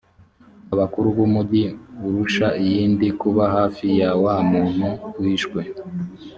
abakuru b’umugi urusha iyindi kuba hafi ya wa muntu wishwe